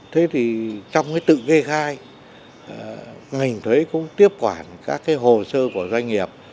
thế thì trong cái tự kê khai ngành thuế cũng tiếp quản các cái hồ sơ của doanh nghiệp